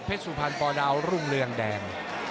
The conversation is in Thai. สุพรรณปอดาวรุ่งเรืองแดง